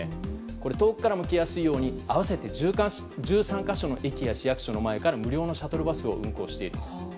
遠くからも来やすいように合わせて１３か所の駅や市役所の前から無料のシャトルバスを運行しているそうです。